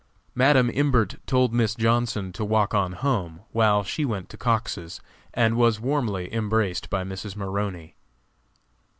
Madam Imbert told Miss Johnson to walk on home, while she went to Cox's, and was warmly embraced by Mrs. Maroney.